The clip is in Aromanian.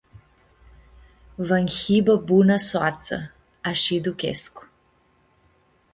Va nj-hibã bunã soatsã, ashi duchescu.